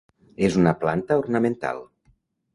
És una planta ornamental.